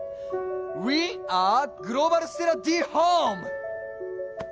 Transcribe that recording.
ウィアーグローバルステラＤホーム！